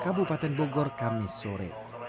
kabupaten bogor kamis sore